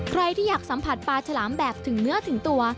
ใครที่อยากสัมผัสปลาฉลามแบบถึงเนื้อถึงตัว